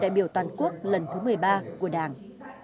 đại biểu toàn quốc lần thứ một mươi ba của đảng